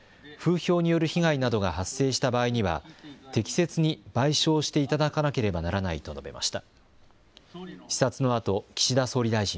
風評による被害などが発生した場合には適切に賠償していただかなければならないと述べました。